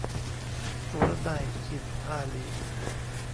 สุรนัย ฉิมพาลี